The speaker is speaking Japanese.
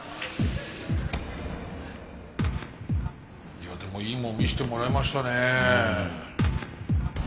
いやでもいいもん見してもらいましたね。